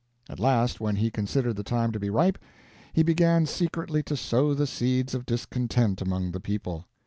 At last, when he considered the time to be ripe, he began secretly to sow the seeds of discontent among the people.